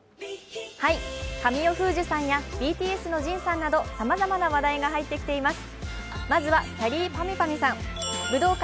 神尾楓珠さんやＢＴＳのＪＩＮさんなどさまざまな話題が入ってきています。